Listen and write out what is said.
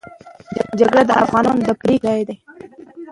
جرګه د افغانانو د پرېکړو ځای دی.